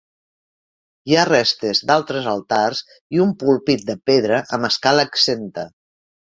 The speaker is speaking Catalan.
Hi ha restes d'altres altars i un púlpit de pedra amb escala exempta.